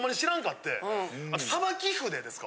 あとさばき筆ですか？